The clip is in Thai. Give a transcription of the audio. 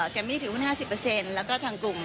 เมมี่ถือหุ้น๕๐แล้วก็ทางกลุ่ม